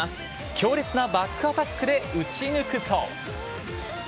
強烈なバックアタックで打ち抜くと。